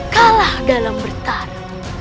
kalah dalam bertarung